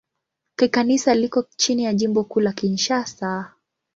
Kikanisa liko chini ya Jimbo Kuu la Kinshasa.